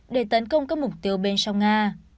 để tấn công các mục tiêu bên trong nga